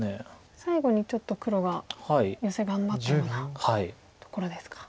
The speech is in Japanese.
最後にちょっと黒がヨセ頑張ったようなところですか。